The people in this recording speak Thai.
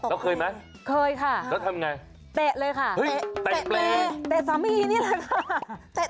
แล้วเคยไหมเคยค่ะแล้วทำอย่างไรต๊ะเลยค่ะต๊ะเปลย์ต๊ะส้ำอี้นี่แหละค่ะ